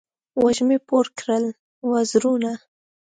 وږمې پور کړل وزرونه